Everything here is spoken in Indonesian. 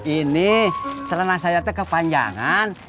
ini serena saya itu kepanjangan